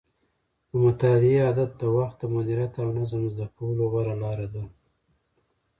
د مطالعې عادت د وخت د مدیریت او نظم زده کولو غوره لاره ده.